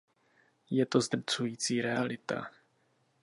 Je to zdrcující realita.